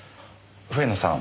笛野さん。